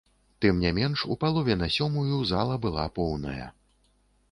Тым не менш, у палове на сёмую зала была поўная.